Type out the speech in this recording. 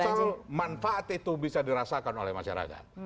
betul manfaat itu bisa dirasakan oleh masyarakat